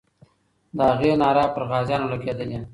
د هغې ناره پر غازیانو لګېدلې.